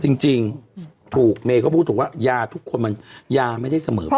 จริงจริงถูกเมก็พูดถูกว่ายาทุกคนมันยาไม่ใช่เสมอฟะ